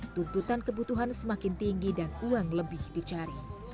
tuntutan kebutuhan semakin tinggi dan uang lebih dicari